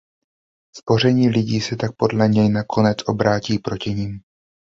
Spoření lidí se tak podle něj nakonec obrátí proti nim.